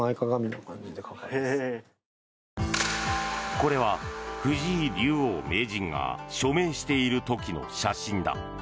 これは藤井竜王・名人が署名している時の写真だ。